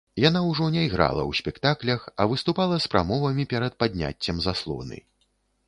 Яна ўжо не іграла ў спектаклях, а выступала з прамовамі перад падняццем заслоны.